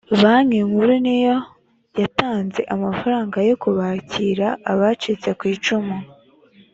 banki nkuru niyo yatanze amafaranga yo kubakira abacitse kwicumu